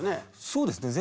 そうですね。